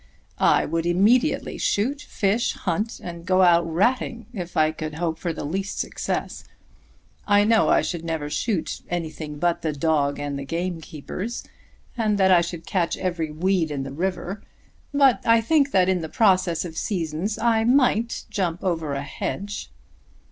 I would immediately shoot, fish, hunt and go out ratting, if I could hope for the least success. I know I should never shoot anything but the dog and the gamekeepers, and that I should catch every weed in the river; but I think that in the process of seasons I might jump over a hedge."